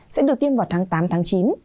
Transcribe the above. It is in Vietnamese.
sẽ được tiêm vào tháng tám tháng chín